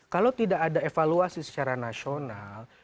kalau tidak ada evaluasi secara nasional